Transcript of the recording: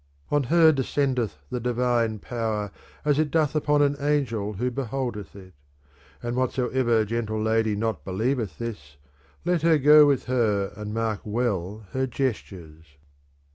III On her descendeth the divine power as it doth upon an angel who beholdeth it, and whatsoever gentle lady not believeth this, let her go with her and mark well her gestures.